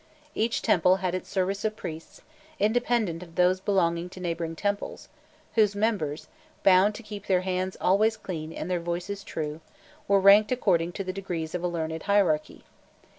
Each temple had its service of priests, independent of those belonging to neighbouring temples, whose members, bound to keep their hands always clean and their voices true, were ranked according to the degrees of a learned hierarchy.